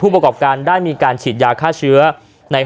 ประกอบการได้มีการฉีดยาฆ่าเชื้อ